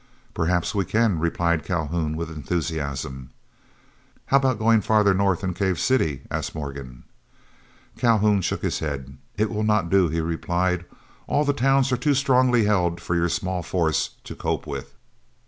"Perhaps we can," replied Calhoun, with enthusiasm. "How about going farther north than Cave City?" asked Morgan. Calhoun shook his head. "It will not do," he replied; "all the towns are too strongly held for your small force to cope with."